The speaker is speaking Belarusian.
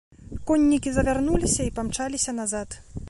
Коннікі завярнуліся і памчаліся назад.